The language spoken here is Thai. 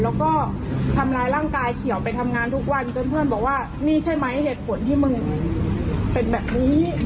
แล้วก็ทำร้ายร่างกายเขียวไปทำงานทุกวันจนเพื่อนบอกว่านี่ใช่ไหมเหตุผลที่มึงเป็นแบบนี้